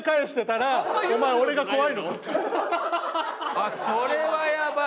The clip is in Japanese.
あっそれはやばい！